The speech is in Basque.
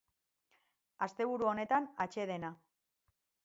Asteburu honetan, atsedena.